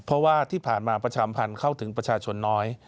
เพราะว่าที่ผ่านมาประชามพันธ์เข้าถึงประชาชนน้อย